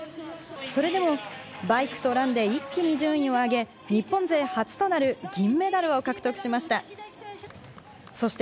それでもバイクとランで一気に順位を上げ、日本勢初となる銀メダルを獲得しました。